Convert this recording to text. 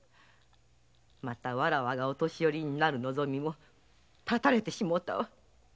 またわらわが御年寄になる望みも断たれてしもうた。